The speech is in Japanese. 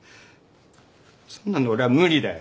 そんなの俺は無理だよ！